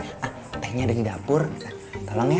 ah tehnya ada di dapur tolong ya